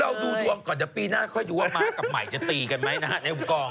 เราดูดวงก่อนจะปีหน้าค่อยอยู่ว่ามากับใหม่จะตีกันไหมนะฮะในกอง